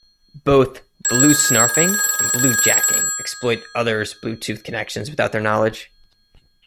Both Bluesnarfing and Bluejacking exploit others' Bluetooth connections without their knowledge.